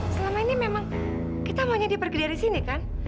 supaya bisa diterima disini